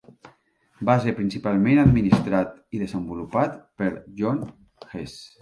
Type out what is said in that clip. Va ser principalment administrat i desenvolupat per Jon Hess.